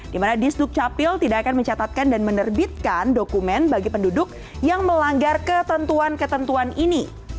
dimana disduk capil tidak akan mencatatkan dan menerbitkan dokumen bagi penduduk yang melanggar ketentuan ketentuan ini